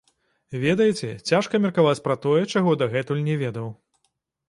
Ведаеце, цяжка меркаваць пра тое, чаго дагэтуль не ведаў.